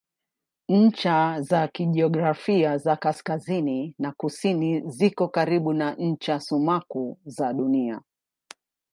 Ncha za kijiografia za kaskazini na kusini ziko karibu na ncha sumaku za Dunia.